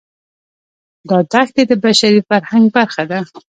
دا دښتې د بشري فرهنګ برخه ده.